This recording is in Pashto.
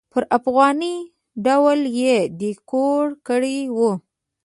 پر افغاني ډول یې ډیکور کړی و.